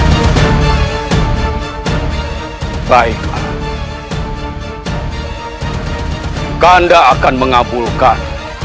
jika kakak anda tidak bisa membebaskan